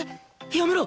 やめろ！